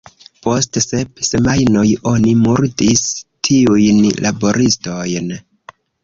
Post sep semajnoj oni murdis tiujn laboristojn.